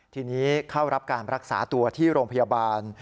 ทีนี้เข้ารับการรักษาตัวที่โรงพยาบาล